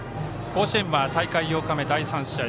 甲子園は大会８日目第３試合。